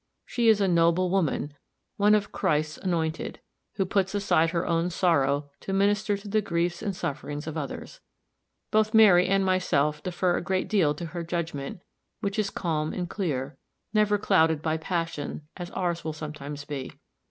She is a noble woman one of Christ's anointed, who puts aside her own sorrow, to minister to the griefs and sufferings of others. Both Mary and myself defer a great deal to her judgment, which is calm and clear, never clouded by passion, as ours will sometimes be.